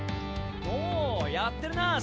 おやってるなあ